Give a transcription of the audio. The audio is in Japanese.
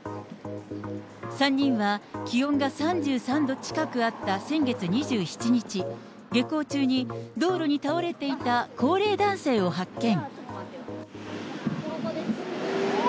３人は気温が３３度近くあった先月２７日、下校中に道路に倒れていた高齢男性を発見。